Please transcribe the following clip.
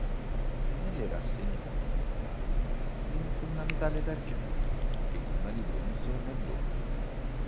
Nelle rassegne continentali vinse una medaglia d'argento ed una di bronzo nel doppio.